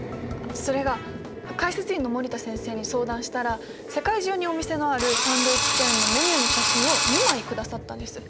それが解説委員の森田先生に相談したら世界中にお店のあるサンドイッチチェーンのメニューの写真を２枚下さったんです。